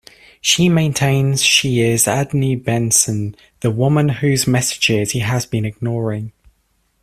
She maintains she is Adne Bensen, the woman whose messages he has been ignoring.